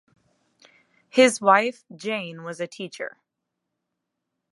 His wife, Jane, was a teacher.